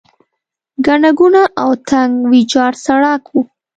ګڼه ګوڼه او تنګ ویجاړ سړک و.